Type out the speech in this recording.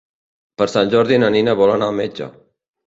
Per Sant Jordi na Nina vol anar al metge.